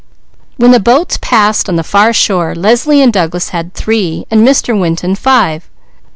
When the boats passed on the far shore Leslie and Douglas had three, and Mr. Winton five.